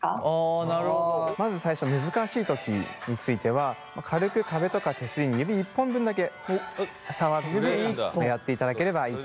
まず最初難しい時については軽く壁とか手すりに指１本分だけ触ってやっていただければいいと思います。